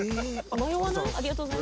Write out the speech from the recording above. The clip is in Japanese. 迷わない？